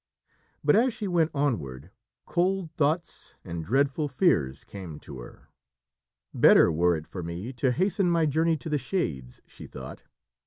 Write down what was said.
But, as she went onward, "cold thoughts and dreadful fears" came to her. "Better were it for me to hasten my journey to the shades," she thought.